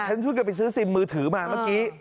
ฉันช่วยกันไปซื้อซิมมือถือมาเมื่อกี้